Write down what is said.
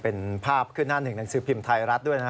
เป็นภาพขึ้นหน้าหนึ่งหนังสือพิมพ์ไทยรัฐด้วยนะฮะ